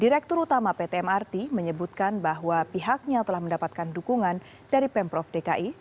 direktur utama pt mrt menyebutkan bahwa pihaknya telah mendapatkan dukungan dari pemprov dki